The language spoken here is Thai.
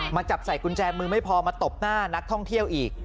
จับใส่กุญแจมือไม่พอมาตบหน้านักท่องเที่ยวอีก